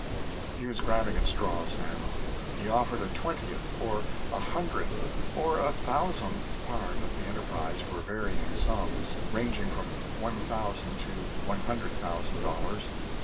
He was grabbing at straws now. He offered a twentieth or a hundredth or a thousandth part of the enterprise for varying sums, ranging from one thousand to one hundred thousand dollars.